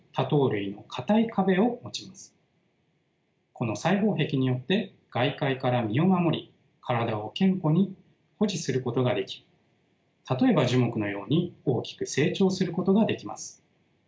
この細胞壁によって外界から身を守り体を堅固に保持することができ例えば樹木のように大きく成長することができます。